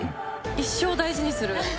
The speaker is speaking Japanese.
一生大事にする。